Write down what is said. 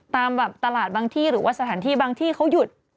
ตามแบบตลาดบางที่หรือว่าสถานที่บางที่เขาหยุด